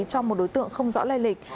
cho một đối tượng không rõ lai lịch